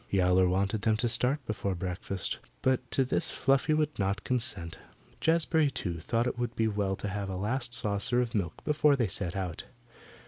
Yowler wanted them to start before breakfast, but to this Fluffy would not consent. Jazbury, too, thought it would be well to have a last saucer of milk before they set out.